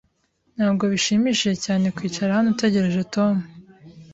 Ntabwo bishimishije cyane kwicara hano utegereje Tom.